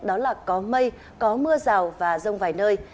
đó là có mây có mưa rào và rông vài nơi